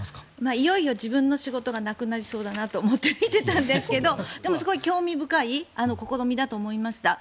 いよいよ自分の仕事がなくなりそうだなと思って見ていたんですけどでもすごい興味深い試みだと思いました。